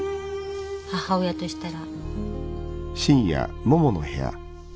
母親としたら。